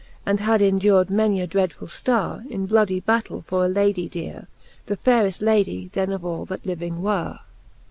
And had endured many a dreadful! ftoure In bloudy battell for a Ladie deare. The fayreft Ladie then of all that living were.